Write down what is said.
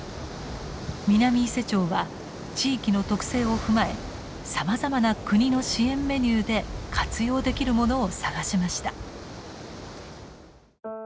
南伊勢町は地域の特性を踏まえさまざまな国の支援メニューで活用できるものを探しました。